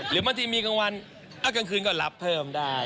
หรือบางทีมีกลางวันกลางคืนก็รับเพิ่มได้